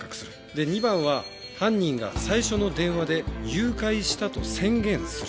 で２番は犯人が最初の電話で誘拐したと宣言する。